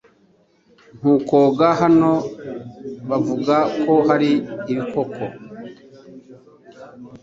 Ntukoga hano bavuga ko hari ibikoko